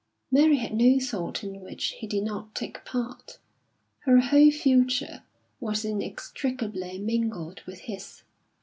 Mary had no thought in which he did not take part; her whole future was inextricably mingled with his.